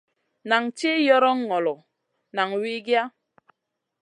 Nan tih yoron ŋolo, nan wikiya.